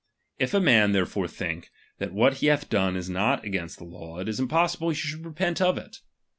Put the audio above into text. If a man therefore think, that what he bath done is not against the law, it is impossible he should repent of it.